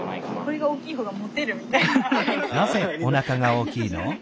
これが大きいほうがモテるみたいな。